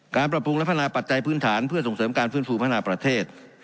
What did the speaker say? ปรับปรุงและพัฒนาปัจจัยพื้นฐานเพื่อส่งเสริมการฟื้นฟูพัฒนาประเทศ